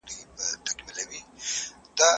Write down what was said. هغه وويل چي پلان جوړول مهم دي؟!